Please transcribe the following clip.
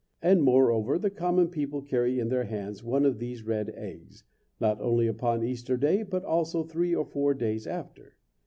And, moreover, the common people carry in their hands one of these red eggs, not only upon Easter day but also three or four days after.